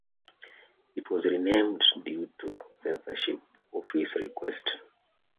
It was renamed due to censorship office request.